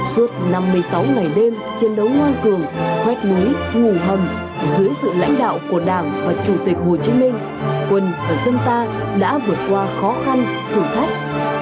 suốt năm mươi sáu ngày đêm chiến đấu ngoan cường quét núi ngủ hầm dưới sự lãnh đạo của đảng và chủ tịch hồ chí minh quân và dân ta đã vượt qua khó khăn thử thách